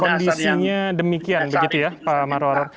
kondisinya demikian begitu ya pak marwar